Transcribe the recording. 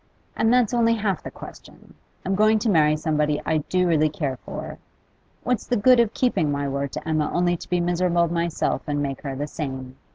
And that's only half the question: I'm going to marry somebody I do really care for. What's the good of keeping my word to Emma, only to be miserable myself and make her the same?